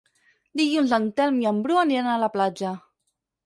Dilluns en Telm i en Bru aniran a la platja.